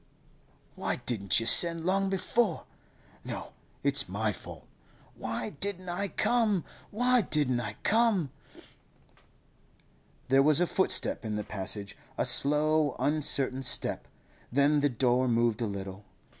'Why didn't you send long before? No, it's my fault. Why didn't I come? Why didn't I come?' There was a footstep in the passage, a slow, uncertain step; then the door moved a little.